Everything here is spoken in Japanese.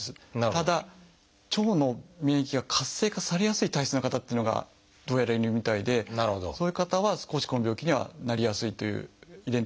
ただ腸の免疫が活性化されやすい体質な方っていうのがどうやらいるみたいでそういう方は少しこの病気にはなりやすいという遺伝的背景はあります。